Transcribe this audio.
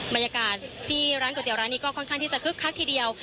บรรยากาศที่ร้านก๋วยเตี๋ร้านนี้ก็ค่อนข้างที่จะคึกคักทีเดียว